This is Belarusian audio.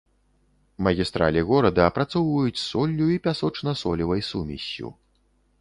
Магістралі горада апрацоўваюць соллю і пясочна-солевай сумессю.